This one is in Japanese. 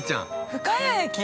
◆深谷駅？